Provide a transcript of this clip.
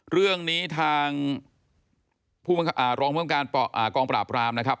เรื่องนี้ทางรองการกองปราบรามนะครับ